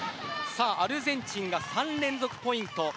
アルゼンチンが３連続ポイント。